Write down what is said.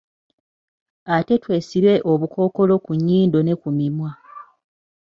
Ate twesibe obukookolo ku nyindo ne ku mimwa.